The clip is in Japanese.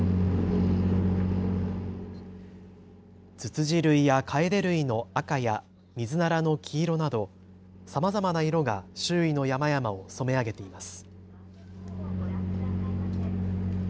ツツジ類やカエデ類の赤やミズナラの黄色などさまざまな色が周囲の山々を染め上げています。